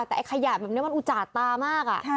แต่ไอ้ขยะแบบนี้มันอุจาดตามาก